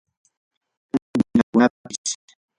Cantinakunapis.